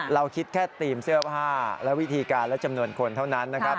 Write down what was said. เราคิดแค่ธีมเสื้อผ้าและวิธีการและจำนวนคนเท่านั้นนะครับ